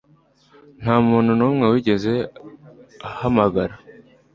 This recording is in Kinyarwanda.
ntamuntu numwe wigeze ahamagara